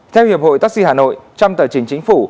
theo hiệp hội taxi hà nội trong tờ trình chính phủ